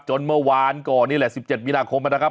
จนเมื่อวานก่อนนี่แหละสิบเจ็ดมินาคมน่ะนะครับ